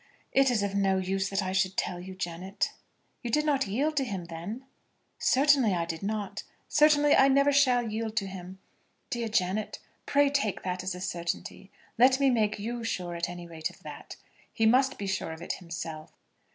"It is of no use that I should tell you, Janet." "You did not yield to him, then?" "Certainly, I did not. Certainly I never shall yield to him. Dear Janet, pray take that as a certainty. Let me make you sure at any rate of that. He must be sure of it himself."